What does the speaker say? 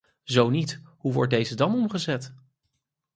Zo niet, hoe wordt deze dan omgezet?